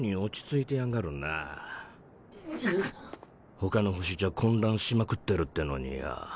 他の星じゃ混乱しまくってるってのによぉ。